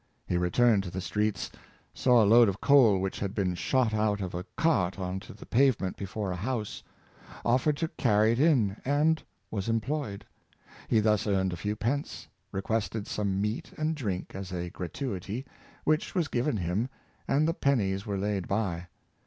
He returned to the streets, saw a load of coal which had been shot out of a cart on to the pavement before a house, offered to carry it in, and was employed. He thus earned a few pence, requested some meat and drink as a gratuity, which was given him, and the pen nies were laid by.